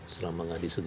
selama gak disedihin